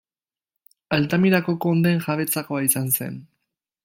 Altamirako kondeen jabetzakoa izan zen.